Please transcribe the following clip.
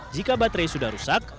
jika baterai sudah rusak